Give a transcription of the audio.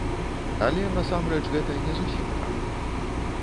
Але, насамрэч, гэта не зусім так.